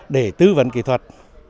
để tư vấn kỹ thuật